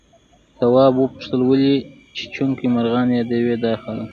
تواب وپوښتل ولې چیچونکي مرغان يادوي دا خلک؟